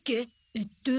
えっと。